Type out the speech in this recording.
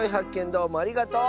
どうもありがとう！